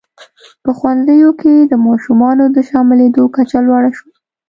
په ښوونځیو کې د ماشومانو د شاملېدو کچه لوړه شوه.